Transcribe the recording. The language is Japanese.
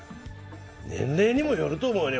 年齢にもよると思うね。